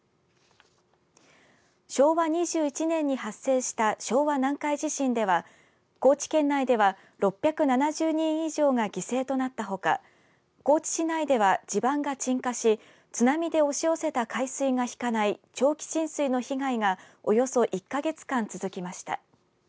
昭和２１年に発生した昭和南海地震では高知県内では６７０人以上が犠牲となったほか高知市内では地盤が沈下し、津波で押し寄せた海水が引かない長期浸水の被害がおよそ１か月間、続きました。